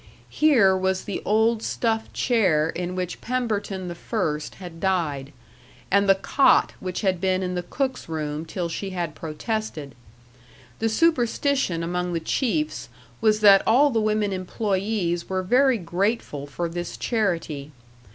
Here was the old stuffed chair in which Pemberton I. had died, and the cot which had been in the cook's room till she had protested. The superstition among the chiefs was that all the women employees were very grateful for this charity.